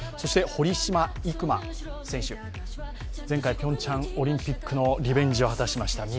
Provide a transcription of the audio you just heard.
堀島行真選手、前回ピョンチャンオリンピックのリベンジを果たしました。